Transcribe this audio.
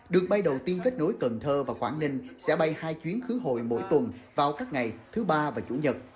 đường bay đầu tiên kết nối cần thơ và quảng ninh sẽ bay hai chuyến khứ hội mỗi tuần vào các ngày thứ ba và chủ nhật